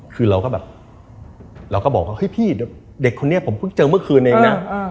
คือเราก็แบบเราก็บอกว่าเฮ้ยพี่เด็กคนนี้ผมเพิ่งเจอเมื่อคืนเองนะ